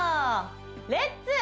レッツ！